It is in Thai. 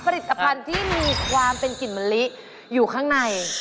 ผลิตภัณฑ์ที่มีความเป็นกลิ่นมะลิอยู่ข้างใน